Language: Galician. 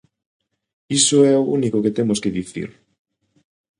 Iso é o único que temos que dicir.